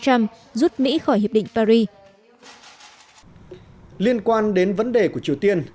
trump rút mỹ khỏi hiệp định paris liên quan đến vấn đề của triều tiên